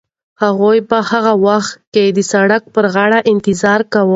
هغوی به په هغه وخت کې د سړک پر غاړه انتظار کاوه.